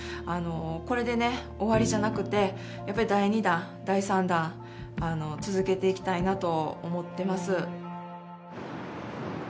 これでね終わりじゃなくてやっぱり第２弾第３弾続けていきたいなと思ってます